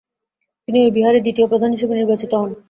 তিনি ঐ বিহারের দ্বিতীয় প্রধান হিসেবে নির্বাচিত হন।